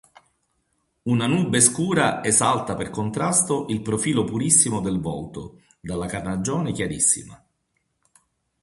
Una nube scura esalta per contrasto il profilo purissimo del volto, dalla carnagione chiarissima.